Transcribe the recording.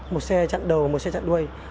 một xe chặn đầu một xe chặn đuôi